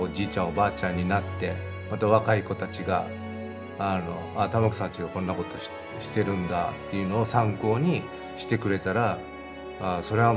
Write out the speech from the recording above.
おばあちゃんになってまた若い子たちがああ玉城さんちはこんなことしてるんだっていうのを参考にしてくれたらそりゃあ